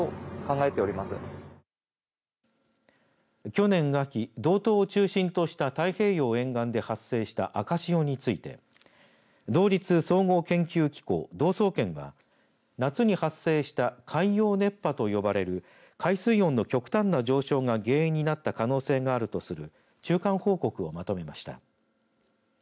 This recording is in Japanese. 去年秋、道東を中心とした太平洋沿岸で発生した赤潮について道立総合研究機構・道総研は夏に発生した海洋熱波と呼ばれる海水温の極端な上昇が原因になった可能性があるとする中間報告をまとめました。